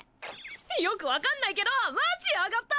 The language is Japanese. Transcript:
よく分かんないけどマジアガった！